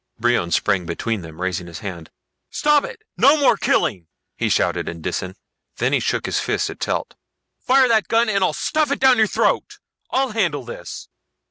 Brion sprang between them, raising his hands. "Stop it! No more killing!" he shouted in Disan. Then he shook his fist at Telt. "Fire that gun and I'll stuff it down your throat. I'll handle this."